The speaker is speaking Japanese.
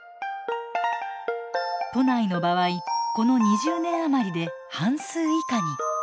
都内の場合この２０年余りで半数以下に。